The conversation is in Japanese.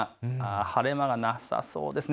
晴れ間がなさそうですね。